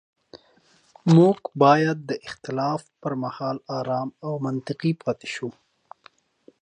موږ باید د اختلاف پر مهال ارام او منطقي پاتې شو